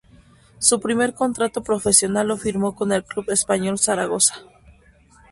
Su primer contrato profesional lo firmo con el club español Zaragoza.